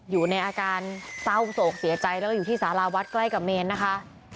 อยู่ในอาการเศร้าโศกเสียใจแล้วก็อยู่ที่สาราวัดใกล้กับเมนนะคะ